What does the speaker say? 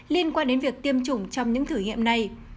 liên quan đến việc tiêm chủng trong những thử nghiệm này